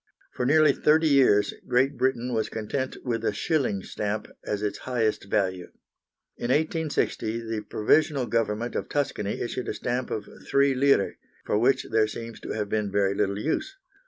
For nearly thirty years Great Britain was content with a shilling stamp as its highest value. In 1860 the Provisional Government of Tuscany issued a stamp of 3 lire, for which there seems to have been very little use.